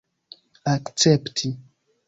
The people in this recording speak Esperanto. akcepti